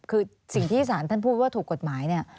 คือสิ่งที่ศาลท่านพูดว่าถูกกฎหมายเนี่ย